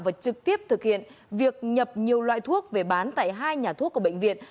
và trực tiếp thực hiện việc nhập nhiều loại thuốc về bán tại hai nhà thuốc của bệnh viện